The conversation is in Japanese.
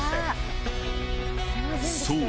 そう！